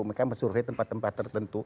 mereka mensurvey tempat tempat tertentu